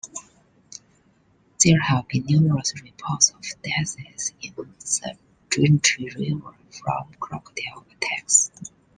There have been numerous reports of deaths in the Daintree River from crocodile attacks.